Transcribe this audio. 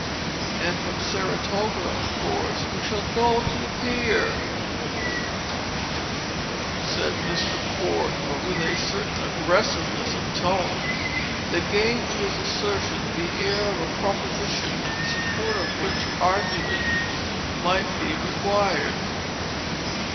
"And from Saratoga, of course, we shall go to the Pier," said Mr. Port, but with a certain aggressiveness of tone that gave to his assertion the air of a proposition in support of which argument might be required.